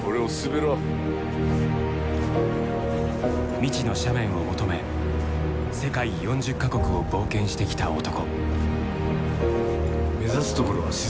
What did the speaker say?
未知の斜面を求め世界４０か国を冒険してきた男。